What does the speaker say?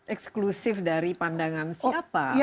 eksklusif dari pandangan siapa